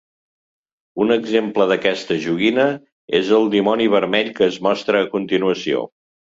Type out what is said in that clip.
Un exemple d'aquesta joguina és el dimoni vermell que es mostra a continuació.